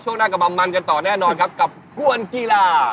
หน้ากลับมามันกันต่อแน่นอนครับกับกวนกีฬา